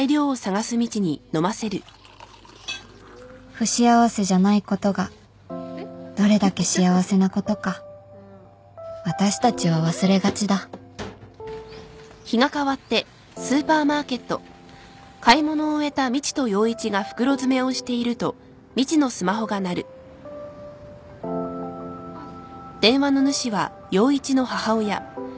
不幸せじゃないことがどれだけ幸せなことか私たちは忘れがちだお母さんから。